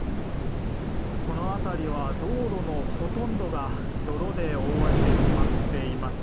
この辺りは道路のほとんどが泥で覆われてしまっています。